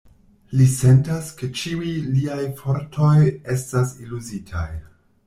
Li sentas, ke ĉiuj liaj fortoj estas eluzitaj.